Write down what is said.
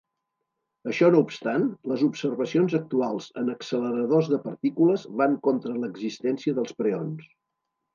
Això no obstant, les observacions actuals en acceleradors de partícules van contra l'existència dels preons.